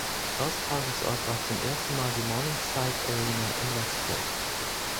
Austragungsort war zum ersten Mal die Morningside Arena in Leicester.